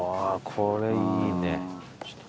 これいいね！